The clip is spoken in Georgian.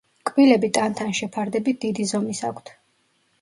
კბილები ტანთან შეფარდებით დიდი ზომის აქვთ.